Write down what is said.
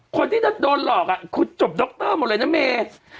คนที่จะโดนหลอกคือจบดรหมดเลยนะเมย์